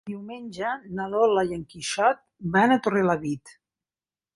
Diumenge na Lola i en Quixot van a Torrelavit.